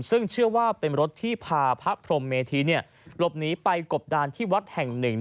ซึ่งเชื่อว่าเป็นรถที่พาพระพรมเมธีหลบหนีไปกบดานที่วัดแห่งหนึ่ง